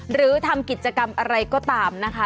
หรือทำกิจกรรมอะไรก็ตามนะคะ